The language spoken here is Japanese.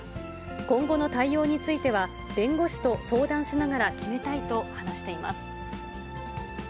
今後の対応については、弁護士と相談しながら決めたいと話しています。